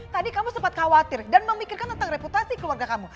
tadi kamu sempat khawatir dan memikirkan tentang reputasi keluarga kamu